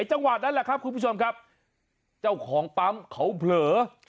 จังหวะนั้นแหละครับคุณผู้ชมครับเจ้าของปั๊มเขาเผลอ